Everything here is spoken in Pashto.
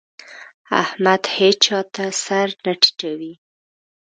احمد هيچا ته سر نه ټيټوي.